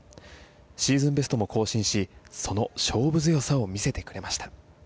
シーズンベストも更新しその勝負強さを見せてくれました。